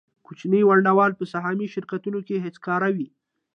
کوچني ونډه وال په سهامي شرکتونو کې هېڅکاره وي